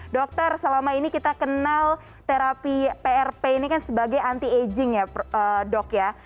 dokter selama ini kita kenal terapi prp ini kan sebagai anti aging ya dok ya